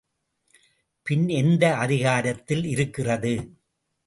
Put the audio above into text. பின் எந்த அதிகாரத்தில் இருக்கிறது?